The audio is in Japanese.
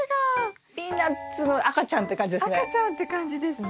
ピーナツの赤ちゃんって感じですね。